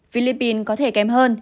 philippines có thể kém hơn